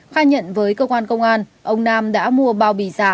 khai nhận với cơ quan công an ông nam đã mua bao bì giả